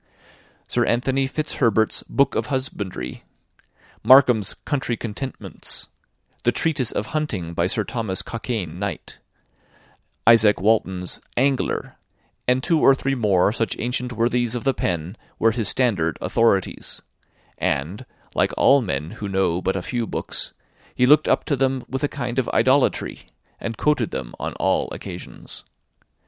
Sir Anthony Fitzherbert's "Book of Husbandry;" Markham's "Country Contentments;" the "Tretyse of Hunting," by Sir Thomas Cockayne, Knight; Izaak Walton's "Angler," and two or three more such ancient worthies of the pen, were his standard authorities; and, like all men who know but a few books, he looked up to them with a kind of idolatry, and quoted them on all occasions.